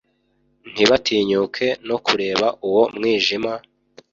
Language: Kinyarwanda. ntibatinyuke no kureba uwo mwijima,